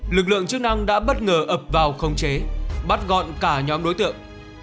lực lượng chức năng đã bất ngờ ập vào khống chế bắt gọn cả nhóm đối tượng